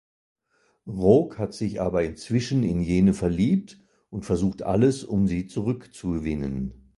Roque hat sich aber inzwischen in jene verliebt und versucht alles, um sie zurückzugewinnen.